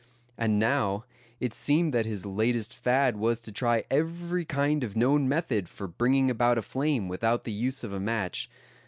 And now, it seemed that his latest fad was to try every kind of known method for bringing about a flame without the use of a match.